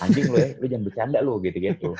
anjing lo ya lo jangan bercanda lo gitu gitu